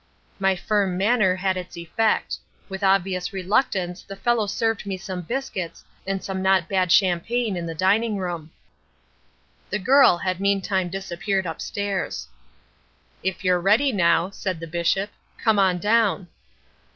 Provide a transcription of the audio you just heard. "My firm manner had its effect. With obvious reluctance the fellow served me some biscuits and some not bad champagne in the dining room. "The girl had meantime disappeared upstairs. "'If you're ready now,' said the Bishop, 'come on down.'